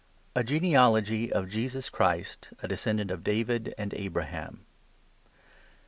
A Genealogy of fesus Christ, a descendant of David and \ 1 A braham.